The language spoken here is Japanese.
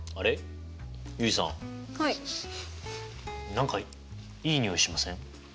何かいい匂いしません？